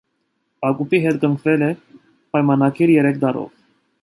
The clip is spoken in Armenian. Ակումբի հետ կնքվել է պայմանագիր երեք տարով։